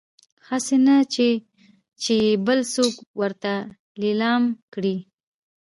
هسي نه چې يې بل څوک ورته ليلام کړي